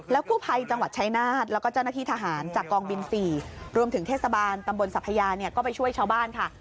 กู้ภัยจังหวัดชายนาฏแล้วก็เจ้าหน้าที่ทหารจากกองบิน๔รวมถึงเทศบาลตำบลสัพยาเนี่ยก็ไปช่วยชาวบ้านค่ะ